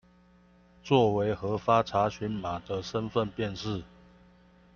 作為核發查詢碼的身分辨識